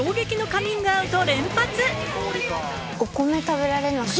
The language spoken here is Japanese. お米食べられなくて。